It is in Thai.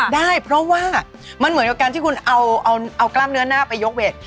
ได้เพราะว่ามันเหมือนกับการที่คุณเอากล้ามเนื้อหน้าไปยกเวท